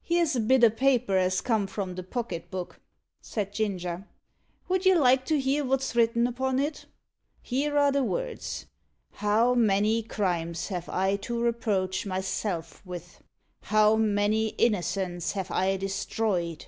"Here's a bit o' paper as come from the pocket book," said Ginger. "Would you like to hear wot's written upon it? Here are the words: 'How many crimes have I to reproach myself with! How many innocents have I destroyed!